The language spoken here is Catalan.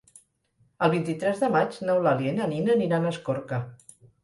El vint-i-tres de maig n'Eulàlia i na Nina aniran a Escorca.